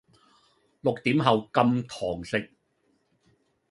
六點後禁堂食